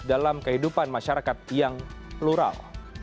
dalam kehidupan masyarakat yang plural